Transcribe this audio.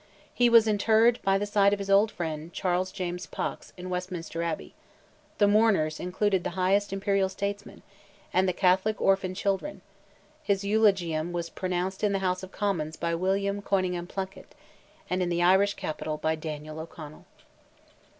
He was interred by the side of his old friend, Charles James Fox, in Westminster Abbey; the mourners included the highest imperial statesmen, and the Catholic orphan children; his eulogium was pronounced in the House of Commons by William Conyngham Plunkett, and in the Irish capital by Daniel O'Connell.